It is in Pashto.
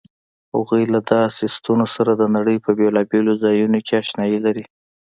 هغوی له داسې ستنو سره د نړۍ په بېلابېلو ځایونو کې آشنايي لري.